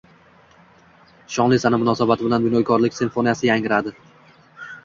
Shonli sana munosabati bilan “Bunyodkorlik simfoniyasi” “yangradi”